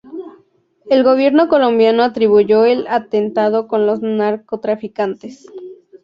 El gobierno colombiano atribuyó el atentado con los narcotraficantes.